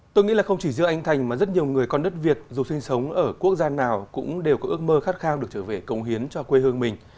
tôi nghĩ là không chỉ giữa anh thành mà rất nhiều người con đất việt dù sinh sống ở quốc gia nào cũng đều có ước mơ khát khao được trở về cống hiến cho quê hương mình